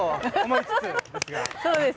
そうです。